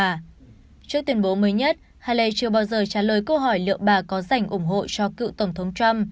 trước tuyên bố mới nhất hellei chưa bao giờ trả lời câu hỏi liệu bà có giành ủng hộ cho cựu tổng thống trump